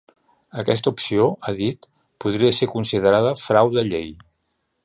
Aquesta opció, ha dit, podria ser considerada frau de llei.